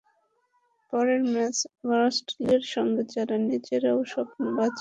পরের ম্যাচ আবার অস্ট্রেলিয়ার সঙ্গে, যারা নিজেরাও স্বপ্ন বাঁচিয়ে রাখতে লড়বে।